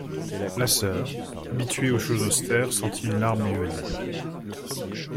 La soeur, habituée aux choses austères, sentit une larme lui venir.